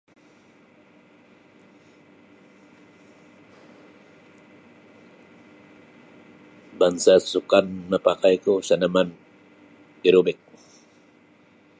Bangsa sukan napakai ku senaman aerobik.